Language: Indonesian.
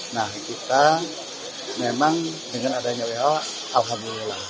nah kita memang dengan adanya who alhamdulillah